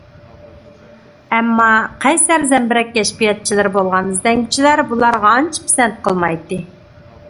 ئەمما، قەيسەر زەمبىرەك كەشپىياتچىلىرى بولغان ئىزدەنگۈچىلەر بۇلارغا ئانچە پىسەنت قىلمايتتى.